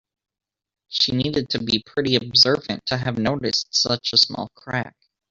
She needed to be pretty observant to have noticed such a small crack.